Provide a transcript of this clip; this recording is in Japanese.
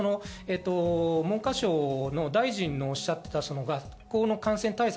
文科省の大臣がおっしゃった、学校の感染対策